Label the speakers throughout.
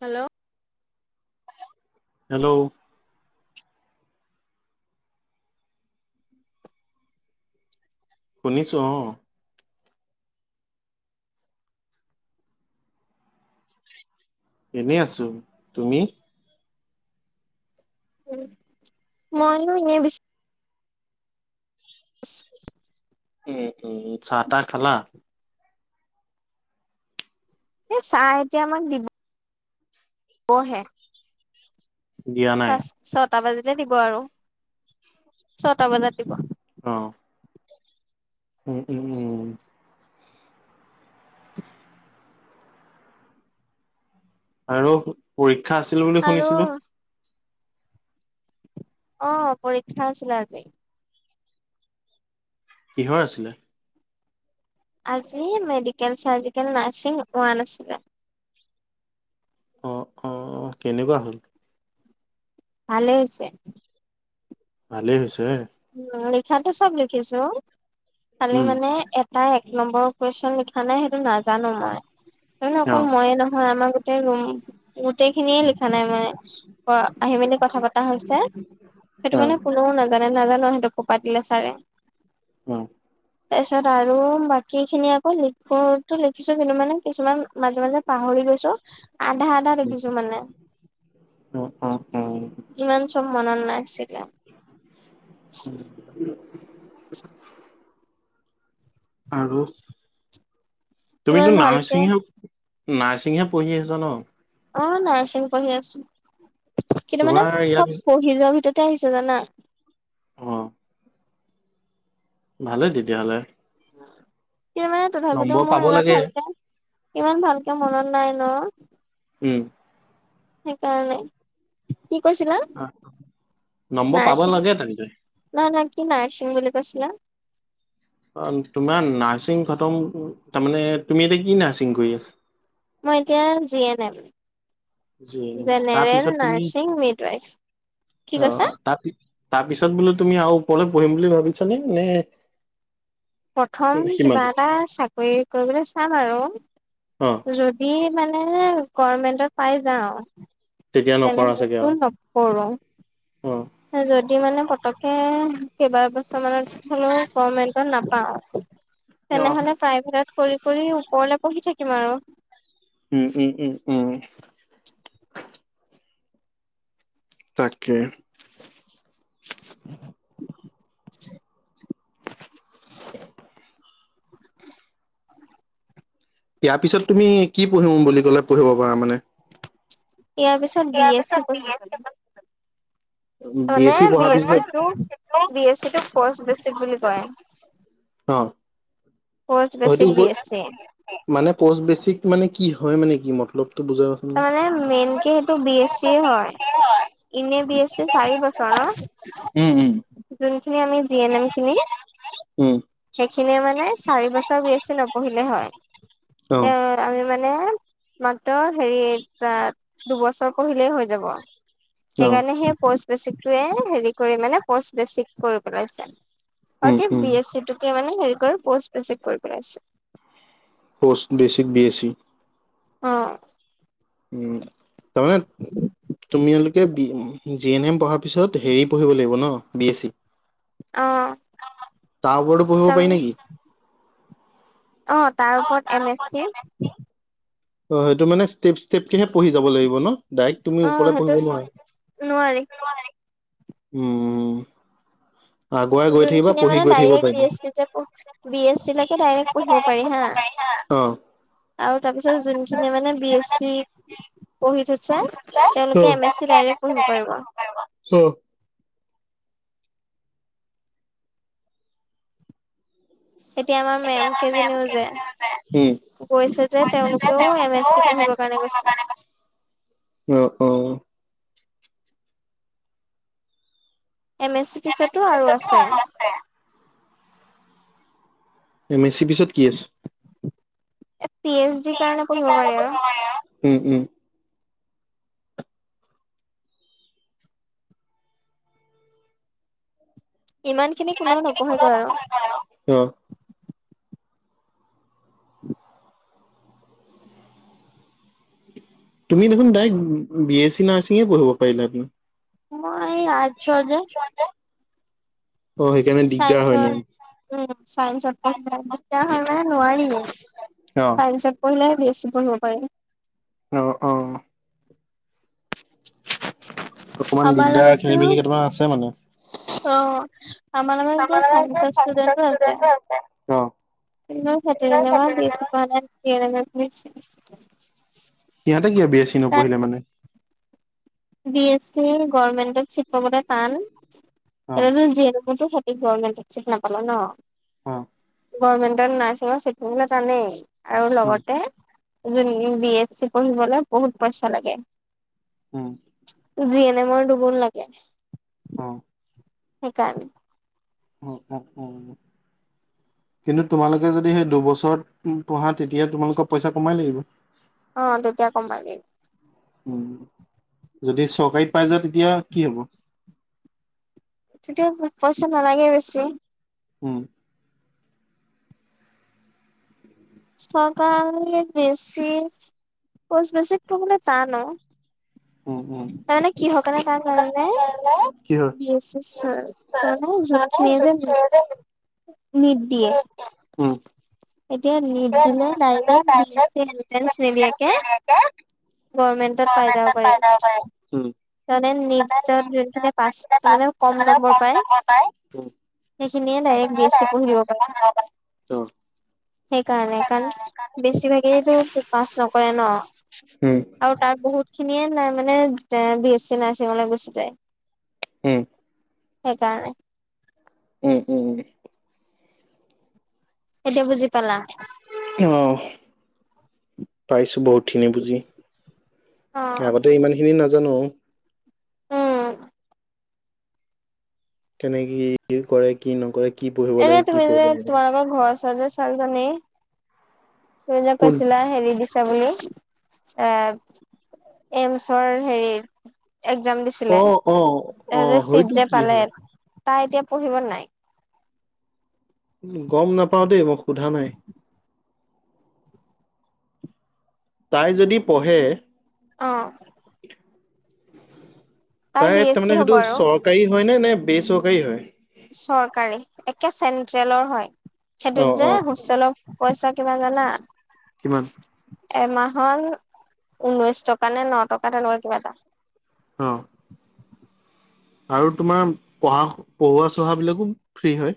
Speaker 1: Hello.
Speaker 2: Hello. শুনিছো অ। এনেই আছো, তুমি?
Speaker 1: উম মইয়ো এনেই বিচ [unintelligible]
Speaker 2: উম, উম। চাহ-তাহ খালা?
Speaker 1: এ চাহ এতিয়া আমাক দিব বহে।
Speaker 2: দিয়া নাই?
Speaker 1: ছটা বাজিলে দিব আৰু ছযটা বজাত দিব।
Speaker 2: অ। উম, উম, উম। আৰু পৰীক্ষা আছিল বুলি
Speaker 1: আৰু
Speaker 2: শুনিছিলো।
Speaker 1: অ পৰীক্ষা আছিলে আজি।
Speaker 2: কিহৰ আছিলে?
Speaker 1: আজি মেডিকেল চাৰজিকেল নাৰ্ছিং হোৱা আছিল
Speaker 2: অ অ অ কেনেকুৱা হ'ল
Speaker 1: ভালেই হৈছে
Speaker 2: ভালেই হৈছে
Speaker 1: উম লিখাতো চব লিখিছো খালি
Speaker 2: উম
Speaker 1: মানে এত টাই এক নম্বৰৰ কুৱেশন লিখা নাই সেইটো নাজানো মই, নহয় নহয়
Speaker 2: অ
Speaker 1: অকল ময়ে নহয় আমাৰ- গোটেই ৰুম খিনিয়ে লিখা নাই মানে আহি মেলি কথা পতা হৈছে। সেইটো
Speaker 2: অ
Speaker 1: মানে কোনেও নাজানে নাজানো সেইটো কপা দিলে চাৰে।
Speaker 2: অ
Speaker 1: তাৰপিছত আৰু বাকী খিনি আকৌ লিখোতো লিখিছো কিন্তু মানে কিছুমান মাজে মাজে পাহৰি গৈছো আধা আধা লিখিছো মানে
Speaker 2: অ অ অ
Speaker 1: ইমান চব মনত নাই চাগে
Speaker 2: উম আৰু
Speaker 1: ইমান
Speaker 2: তুমিতো
Speaker 1: ভালকে
Speaker 2: নাৰ্ছিঙহে নাৰ্ছিংহে পঢ়ি আহিছা ন।
Speaker 1: অ নাৰ্ছিং পঢ়ি আছো, কিন্তু
Speaker 2: তোমাৰ
Speaker 1: মানে
Speaker 2: ইয়াৰ
Speaker 1: চব
Speaker 2: পিছ
Speaker 1: পঢ়ি যোৱাৰ ভিতৰতে আহিছে জানা।
Speaker 2: অ ভালেই তেতিয়া হ'লে।
Speaker 1: কিনো মানে তথাপিয়োতো
Speaker 2: পাব
Speaker 1: মোৰ ইমান
Speaker 2: লাগে
Speaker 1: ভাল কে- ইমান ভালকে মনত নাই ন।
Speaker 2: উম
Speaker 1: সেইকাৰণে, কি কৈছিলা?
Speaker 2: অ নম্বৰ পাব
Speaker 1: নাৰ্ছিং
Speaker 2: লাগে তেনেকে-
Speaker 1: নহয় নহয় কি নাৰ্ছিং বুলি কৈছিলা?
Speaker 2: অ তোমাৰ নাৰ্ছিং খতম তাৰমানে তুমি এতিয়া কি নাৰ্ছিং কৰি আছা?
Speaker 1: মই এতিয়া জিয়ে নেম।
Speaker 2: জি
Speaker 1: জেনেৰেল
Speaker 2: তাৰপিছত তুমি
Speaker 1: নাৰ্ছিং মিডৱাইফ, কি কৈছা?
Speaker 2: তাত তাৰ পিছত বোলো তুমি আৰু ওপৰলে পঢ়িম বুলি ভাবিছা নে -
Speaker 1: প্ৰথম কিবা এটা চাকৰি কৰিবলৈ চাম আৰু,
Speaker 2: অ
Speaker 1: যত- দি মানে গমেন্টত পাই যাওঁ।
Speaker 2: তেতিয়া
Speaker 1: তেনেহলেতো নকৰো।
Speaker 2: অহ
Speaker 1: যদি মানে পতকে কেইবা বছৰ মানত- হলেও গমেন্টত নাপাওঁ,
Speaker 2: অ
Speaker 1: তেনে হ'লে - প্ৰাইভেট কৰি কৰি ওপৰলে পঢ়ি থাকিম আৰু-
Speaker 2: উম উম উম উম। তাকে।
Speaker 1: [unintelligible]
Speaker 2: [unintelligible] ইয়াৰ পিছত তুমি কি পঢ়ো বুলি ক'লে পঢ়িব পাৰা মানে?
Speaker 1: ইয়াৰ পিছত বি এছ চি পঢ়িব পাৰিম মানে
Speaker 2: চি
Speaker 1: বি
Speaker 2: পঢ়াৰ
Speaker 1: এছ চি
Speaker 2: পিছত
Speaker 1: টো বি এছ চি টো কৌছ বেছিক বুলি কয়।
Speaker 2: অহ।
Speaker 1: পষ্ট
Speaker 2: হয়তো
Speaker 1: বেচিক বি এছ চি
Speaker 2: মানে পষ্ট বেচিক মানে কি হয় মানে কি মতলবটো বুজাবা
Speaker 1: তাৰ মানে মেইন কে সেইটো বি এছ চিএ হয়। ইনে বি এছ চি চাৰি বছৰৰ
Speaker 2: উম
Speaker 1: ন,
Speaker 2: উম
Speaker 1: যোনখিনি আমি জি এন এম খিনি-
Speaker 2: উম
Speaker 1: সেইখিনিয়ে মানে চাৰি বছৰ বি এছি নপঢ়িলে হয়,
Speaker 2: অ
Speaker 1: তে- আমি মানে মাত্ৰ হেৰি ত দুবছৰ পঢ়িলেই হৈ যাব।
Speaker 2: অ
Speaker 1: সেইকাৰণে সেই পষ্ট বেচিকটোৱে হেৰি কৰি মানে পষ্ট বেচিক কৰিব পেলাইছে। অ
Speaker 2: উম
Speaker 1: কি
Speaker 2: উম
Speaker 1: বি এছি তোকে মানে হেৰি কৰি পষ্ট পেচিক কৰি পেলাইছে।
Speaker 2: Post basic B S C.
Speaker 1: অ।
Speaker 2: উম, তাৰমানে তুমিয়ালোকে বি জি এন এম পঢ়া পিছত হেৰি পঢ়িব লাগিব ন বি এ চি।
Speaker 1: অ
Speaker 2: তাৰ উপৰতো পঢ়িব পাৰি
Speaker 1: তাৰমানে
Speaker 2: নেকি?
Speaker 1: অ তাৰ ওপৰত এম এছ চি।
Speaker 2: অ সেইটো মানে ষ্টেপ ষ্টেপকেহে পঢ়ি যাব লাগিব ন ডাইৰেক্ট তুমি
Speaker 1: অ
Speaker 2: ওপৰলে
Speaker 1: সেইটো
Speaker 2: পঢ়িব নোৱাৰা।
Speaker 1: নোৱাৰি।
Speaker 2: উমঁ।
Speaker 1: যোনখিনিয়ে মানে
Speaker 2: গৈ থাকিব
Speaker 1: ডাইৰেক্ট বি
Speaker 2: পাৰিবা
Speaker 1: এছ চি যে পঢ়ো বি এছ চি লৈকে ডাইৰেক্ট পঢ়িব পাৰি হা।
Speaker 2: অ।
Speaker 1: আৰু তাৰপিছত যোনখিনি মানে বি এছ চি পঢ়ি থৈছে তেওঁলোকে এম এছ চি ডাইৰেক্ট পঢ়িব পাৰিব।
Speaker 2: অঁহ।
Speaker 1: এতিয়া আমাৰ মেম কেইজনীও যে
Speaker 2: উম
Speaker 1: গৈছে যে তেওঁলোকেও এম এছ চি পঢ়িবৰ কাৰণে গৈছে।
Speaker 2: অ অ।
Speaker 1: এম এছ চি পিছতো আৰু আছে।
Speaker 2: এম এ চি পিছত কি আছে?
Speaker 1: এ পি এইচ ডি কাৰণে পঢ়িব পাৰি আৰু।
Speaker 2: উম উম।
Speaker 1: কোনেও
Speaker 2: ইমান খিনি
Speaker 1: নপঢ়েগৈ
Speaker 2: কোনেও
Speaker 1: আৰু
Speaker 2: নপঢ়ে বাৰু! অ। তুমি দেখোন ডাইৰেক্ট বি এ চি নাৰ্ছিঙে পঢ়িব পাৰিলা দেখোন।
Speaker 1: মোৰ এই আৰ্টছৰ যে।
Speaker 2: অ সেইকাৰণে। দিগদাৰ হয় ন
Speaker 1: চাইঞ্চৰ, উম চাইঞ্চত নপঢ়িলে দিগদাৰ হয় মানে নোৱাৰিয়ে।
Speaker 2: অ
Speaker 1: চাইঞ্চত পঢ়িলেহে বি এ চি পঢ়িব পাৰি।
Speaker 2: অ, অ। অকমান
Speaker 1: আমাৰ
Speaker 2: দিগদাৰ
Speaker 1: লগতো
Speaker 2: খেলি মেলি কেইটামান আছে মানে।
Speaker 1: অ আমাৰ লগত এতিয়া চাইঞ্চৰ ষ্টুডেন্টও আছে।
Speaker 2: অ
Speaker 1: সেইটো যেনেবা বি এছ চি পঢ়া নাই জি এন এম পঢ়িছে।
Speaker 2: সিহতে কিয়া বি এ চি
Speaker 1: কাৰণ
Speaker 2: নপঢ়িলে মানে?
Speaker 1: বি এ চি গৰ্মেন্টত চিত পাবলৈ টান,
Speaker 2: অ
Speaker 1: সেইটো জি এন এমটো ই গৰমেন্টত চিত নাপালে ন?
Speaker 2: অ।
Speaker 1: গভৰ্মেন্টৰ নাৰ্ছিঙৰ চিট পাবলে টানেই আৰু
Speaker 2: উম
Speaker 1: লগতে যোন বি বি এ চি পঢ়িবলৈ বহুত পইচা লাগে।
Speaker 2: উম।
Speaker 1: জি এন এম ৰ দুগুণ লাগে।
Speaker 2: অ।
Speaker 1: সেইকাৰণে।
Speaker 2: অ, অ, উম।
Speaker 1: [inaudible]
Speaker 2: কিন্তু তোমালোকে যদি সেই দুবছৰত পঢ়া তেতিয়া তোমালোকক পইচা কমেই লাগিব।
Speaker 1: অ তেতিয়া কমাই দেই।
Speaker 2: উম যদি চৰকাৰীত পাই যোৱা তেতিয়া কি হ'ব?
Speaker 1: তেতিয়া পইচা নালাগে বেছি।
Speaker 2: উম।
Speaker 1: চৰকাৰে বেছি খচ [unintelligible] কৰিবলে টান অ।
Speaker 2: উম উম
Speaker 1: তাৰমানে কিহ কাৰণে তাৰ জানানে?
Speaker 2: কি হয়
Speaker 1: [unintelligible] যোনখিনিয়ে যে নিট দিয়ে।
Speaker 2: উম।
Speaker 1: এতিয়া নিট দিলে ডাইৰেক্ট বি এছ চিৰ এট্ৰেঞ্চ নিদিয়াকে গৰমেন্টত পাই যাব পাৰি।
Speaker 2: উম
Speaker 1: তাৰ মানে নিটত যোনখিনিয়ে পাঁচ মানে কম নম্বৰ পায়
Speaker 2: উম
Speaker 1: সেইখিনিয়ে ডাইৰেক্ট বি এ চি পঢ়িব পাৰে।
Speaker 2: অ
Speaker 1: সেইকাৰণে কাৰণ বেছি ভাগেইটো পাছ নকৰে ন।
Speaker 2: উম
Speaker 1: আৰু তাৰ বহুত খিনিয়ে নাই মানে এ বি এ চি নাৰ্ছিঙলে গুচি যায়।
Speaker 2: উম
Speaker 1: সেইকাৰণে।
Speaker 2: উম, উম।
Speaker 1: এতিয়া বুজি পালা?
Speaker 2: অহ, পাইছো বহুতখিনি বুজি।
Speaker 1: অ
Speaker 2: আগতে ইমানখিনি নাজানো আও।
Speaker 1: অ, অ।
Speaker 2: তেনেকেই কি কৰে, কি নকৰে কি পঢ়িব
Speaker 1: এনে
Speaker 2: লাগে কি
Speaker 1: তুমি যে
Speaker 2: পঢ়িব নালাগে
Speaker 1: তোমালোকৰ ঘৰৰ ওচৰ ওচৰৰ যে ছোৱালীজনী, তুমি যে
Speaker 2: কোন
Speaker 1: কৈছিলা হেৰি দি লে বুলি, এ এইমচৰ হেৰি একজাম দিচ ছিলে,
Speaker 2: অ', অ',
Speaker 1: তাই যে
Speaker 2: অ',
Speaker 1: চিট
Speaker 2: হয়তো
Speaker 1: যে
Speaker 2: কি
Speaker 1: পালে
Speaker 2: হয়
Speaker 1: তাই এতিয়া পঢ়িব নাই?
Speaker 2: গম নাপাও দেই, মই সোধা নাই। তাই যদি পঢ়ে
Speaker 1: অ।
Speaker 2: তাই
Speaker 1: বি এছ
Speaker 2: তাৰ
Speaker 1: চি
Speaker 2: মানে
Speaker 1: হ'ব
Speaker 2: সেইটো
Speaker 1: আৰু
Speaker 2: চৰকাৰী হয় নে নে বেচৰকাৰী হয়?
Speaker 1: চৰকাৰী, একে চেন্ট্ৰেলৰ হয়। সেইটোত
Speaker 2: অ',
Speaker 1: যে
Speaker 2: অ',
Speaker 1: হোষ্টেলৰ পইচা কিবা জানা?
Speaker 2: কিমান?
Speaker 1: এমাহৰ ঊনৈছ টকা নে ন টকা তেনেকুৱা কিবা এটা।
Speaker 2: অঁ। আৰু তোমাৰ পঢ়া পঢ়োৱা-চহাবিলাকো ফ্ৰী হয়?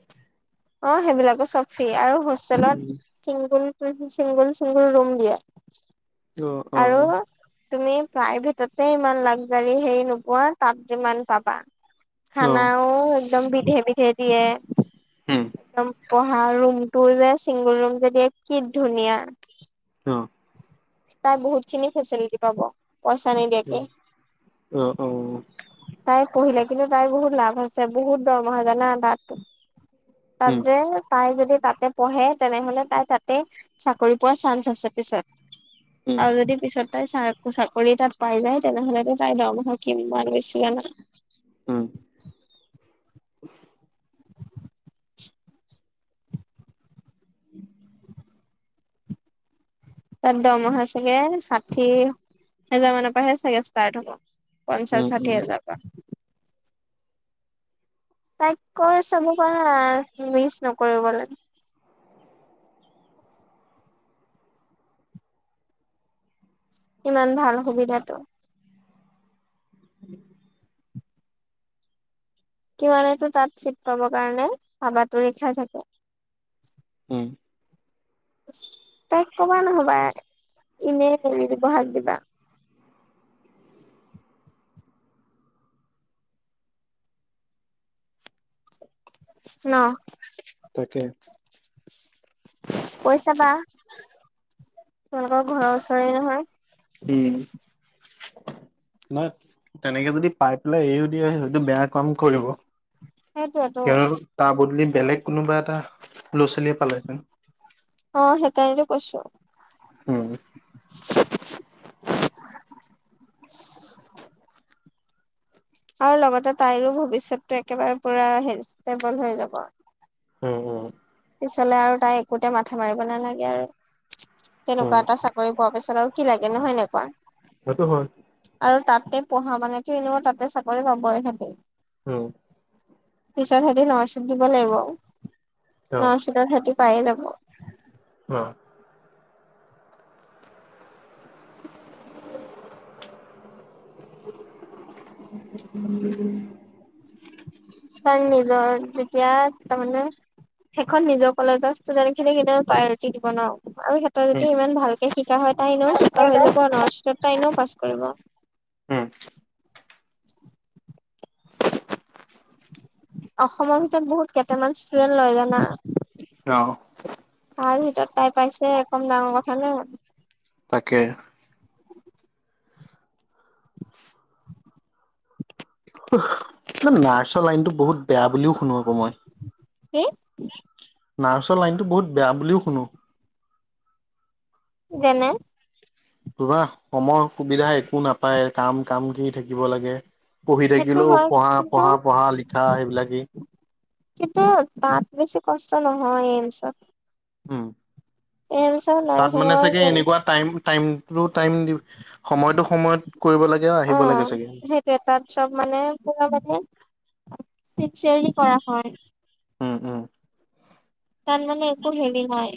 Speaker 1: অ সেইবিলাকো চব ফ্ৰী আৰু হোষ্টেলত
Speaker 2: উম,
Speaker 1: চিংগুল, চিংগুল চিংগুল ৰুম দিয়ে।
Speaker 2: অ', অ',
Speaker 1: আৰু তুমি প্ৰায়ভেটতে ইমান লাগজাৰী হেৰি নোপোৱা তাত যিমান পাবা।
Speaker 2: অ',
Speaker 1: খানাও একদম বিধে বিধে দিয়ে।
Speaker 2: উম,
Speaker 1: একদম পঢ়া ৰুমটো যে চিংগুল ৰুম যে দিয়ে কি ধুনীয়া।
Speaker 2: অ।
Speaker 1: তাত বহুতখিনি ফেচিলিটি পাব। পইচা নিদিয়াকে।
Speaker 2: অ', অ',
Speaker 1: তাই পঢ়িলে কিন্তু তাইৰ বহুত লাভ আছে বহুত দৰমহা জানা তাত। তাত
Speaker 2: উম,
Speaker 1: যে তাই যদি তাতে পঢ়ে তেনেহলে তাই তাতে চাকৰি পোৱা চান্স আছে। পিছত
Speaker 2: উম,
Speaker 1: আৰু যদি পিছত তাই চা চাকৰি তাত পাই যায় তেনেহলেতো তাই দৰমহা কিমান গৈছিলে না।
Speaker 2: উম। [inaudible] উম [inaudible]
Speaker 1: তাত দৰমহা চাগে চাঠি হেজাৰ মানৰ পৰাহে চাগে ষ্টাৰ্ট হ'ব। পঞ্চাছ
Speaker 2: উম, উম,
Speaker 1: ষাঠী হাজাৰ পৰা। তাইক কৈ চাব পাৰা মিচ নকৰিবলে। ইমান ভাল সুবিধাটো।
Speaker 2: উ [inaudible]
Speaker 1: কিমানেতো তাত চিট পাব কাৰণে হাবাতৰি খাই থাকে।
Speaker 2: উম।
Speaker 1: তাইক কবা নহবা এনে এৰি বহাগ দিবা। ন'?
Speaker 2: তাকে।
Speaker 1: কৈ চাবা? তোমালোকৰ ঘৰৰ ওচৰে নহয়।
Speaker 2: উম। নহয় তেনেকে যদি পাই পেলাই এৰিও দিয়ে সেইটো বেয়া কাম কৰিব।
Speaker 1: সেইটোয়েতো
Speaker 2: তেওঁ তাৰ বদলি বেলেগ কোনোবা এটা ল'ৰা - ছোৱালীয়ে পালেহেঁতেন।
Speaker 1: অ সেইকাৰণেতো কৈছো।
Speaker 2: উম।
Speaker 1: [inaudible] আৰু লগতে তাইৰো ভৱিষ্যতটো একেবাৰে পুৰা হেৰি ষ্টেবল হৈ যাব।
Speaker 2: উম' উম'।
Speaker 1: পিছলে আৰু তাই একোতে মাথা মাৰিব নালাগে আৰু,
Speaker 2: উম
Speaker 1: তেনেকুৱা এটা চাক কৰি পোৱাৰ পিছত আৰু কি লাগে নো হয় নে কোৱা?
Speaker 2: সেইটো হয়।
Speaker 1: আৰু তাতে পঢ়া মানেটো এনেও তাতে চাকৰি পাবয়ে ইহেঁতে।
Speaker 2: উম।
Speaker 1: পিছত হিতি ন চিট দিব লাগিব
Speaker 2: অ
Speaker 1: ন
Speaker 2: অ।
Speaker 1: চটৰ হিতি পায়ে যাব।
Speaker 2: অ। উম।
Speaker 1: তাই নিজৰ তেতিয়া তা মানে সেইখন নিজৰ কলেজৰ ষ্টুডেণ্ট খিনিক এনেও প্ৰায়ৰিটি দিব ন, আৰু সেই তই
Speaker 2: উম
Speaker 1: যদি ইমান ভালকে শিকা হয়, তাই এনেও চোকা হৈ যাব ন চিত তাই এনেও পাছ কৰিব।
Speaker 2: উম
Speaker 1: অসমৰ ভিতৰত বহুত কেইটামান ষ্টুডেন্ট লয় জানা?
Speaker 2: অহ'।
Speaker 1: তাৰ ভিতৰত তাই পাইছে কম ডাঙৰ কথা নে?
Speaker 2: তাকে। কিবা নাৰ্চৰ লাইনতো বহুত বেয়া বুলিও শুনো আকৌ মই?
Speaker 1: কি?
Speaker 2: নাৰ্ছৰ লাইনটো বহুত বেয়া বুলিও শুনো।
Speaker 1: যেনে?
Speaker 2: ধোৱা সমৰ সুবিধা একো নাপায়, কাম কাম কি থাকিব লাগে। পঢ়ি
Speaker 1: সেইটো
Speaker 2: থাকিলেও
Speaker 1: হয়
Speaker 2: পঢ়া,
Speaker 1: কিন্তু
Speaker 2: পঢ়া, পঢ়া লিখা সেইবিলাকে।
Speaker 1: কিন্তু তাত বেছি কষ্ট নহয় এইমছত।
Speaker 2: উম'।
Speaker 1: এইমচত
Speaker 2: তাত মানে চাগে এনেকুৱা টাইম টাইম লো টাইম দি সময়তো সময়ত কৰিব লাগে আৰু
Speaker 1: অ
Speaker 2: আহিব লাগে চাগে।
Speaker 1: সেইটোৱে তাত চব মানে পুৰা মানে চিনচিয়েৰলি কৰা হয়।
Speaker 2: উম উম'।
Speaker 1: তাত মানে একো হেৰী নাই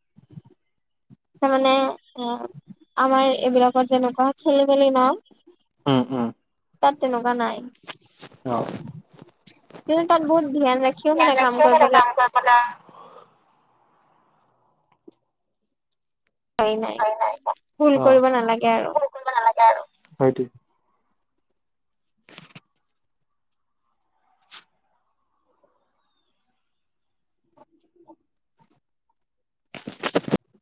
Speaker 1: [inaudible] তাৰমানে ধৰা আমাৰ এইবিলাকত যেনেকুৱা খেলি-মেলি ন?
Speaker 2: উম উম'।
Speaker 1: তাত তেনেকুৱা নাই।
Speaker 2: অ।
Speaker 1: তুমি তাত বহুত ধ্যান ৰাখিব মানে কাম কৰিবলে।
Speaker 2: মাথা
Speaker 1: নাই নাই ভুল কৰিব নালাগে আৰু।
Speaker 2: কৰিব নালাগে আৰু, হয়টো।